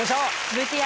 ＶＴＲ。